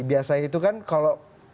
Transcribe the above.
biasanya itu kan kalau